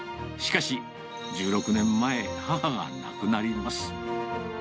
しかし、１６年前、母が亡くなります。